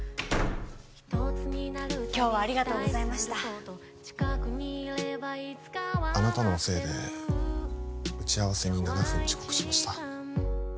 今日はありがとうございましたあなたのせいで打ち合わせに７分遅刻しました